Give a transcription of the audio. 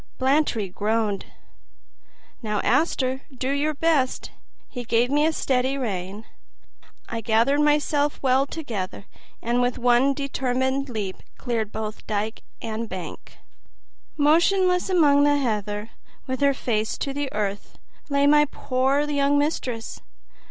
Blantyre groaned, "Now, Auster, do your best!" He gave me a steady rein. I gathered myself well together and with one determined leap cleared both dike and bank. Motionless among the heather, with her face to the earth, lay my poor young mistress.